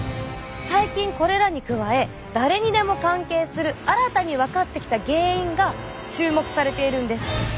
最近これらに加え誰にでも関係する新たに分かってきた原因が注目されているんです。